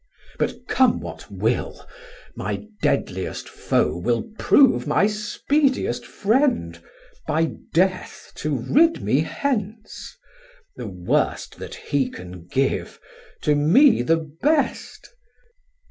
But come what will, my deadliest foe will prove My speediest friend, by death to rid me hence, The worst that he can give, to me the best.